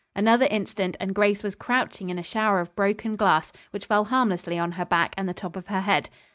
Another instant, and Grace was crouching in a shower of broken glass, which fell harmlessly on her back and the top of her head.